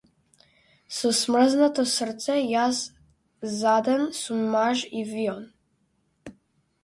Со смрзнато срце јас заден сум маж и воин.